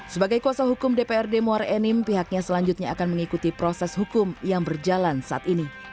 sebagai kuasa hukum dprd muara enim pihaknya selanjutnya akan mengikuti proses hukum yang berjalan saat ini